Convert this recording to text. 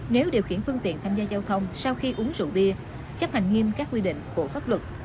nếu điều khiển phương tiện tham gia giao thông sau khi uống rượu bia chấp hành nghiêm các quy định của pháp luật